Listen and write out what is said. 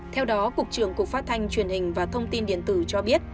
theo đó cục trưởng cục phát thanh truyền hình và thông tin điện tử cho biết